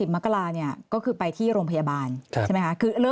๓๐มกราศก็คือไปที่โรงพยาบาล